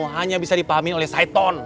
hanya bisa dipahami oleh saiton